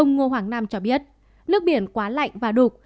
ông ngô hoàng nam cho biết nước biển quá lạnh và đục